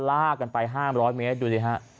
ลากกันไป๕๐๐เมตรดูดิฮะ